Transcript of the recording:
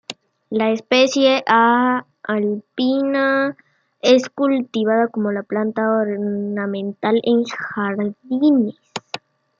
La especie "A. alpina", es cultivada como planta ornamental en jardines.